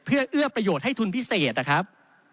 เพื่อเอื้อประโยชน์ให้ทุนพิเศษนะครับ